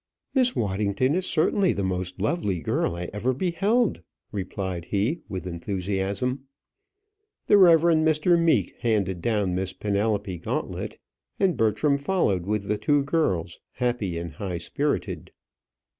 "Miss Waddington is certainly the most lovely girl I ever beheld," replied he, with enthusiasm. The Rev. Mr. Meek handed down Miss Penelope Gauntlet, and Bertram followed with the two girls, happy and high spirited.